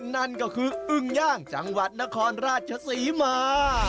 นั่นก็คืออึ้งย่างจังหวัดนครราชศรีมา